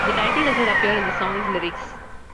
The title does not appear in the song's lyrics.